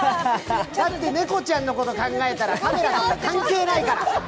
だって、猫ちゃんのこと考えたら、カメラ関係ないから。